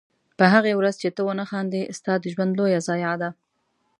په هغې ورځ چې ته ونه خاندې ستا د ژوند لویه ضایعه ده.